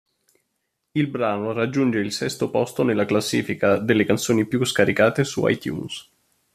Il brano raggiunge il sesto posto della classifica delle canzoni più scaricate su iTunes.